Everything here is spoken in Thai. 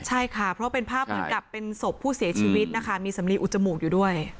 ใช่ค่ะเพราะเป็นภาพเหมือนกับเป็นศพผู้เสียชีวิตนะคะมีสำลีอุดจมูกอยู่ด้วย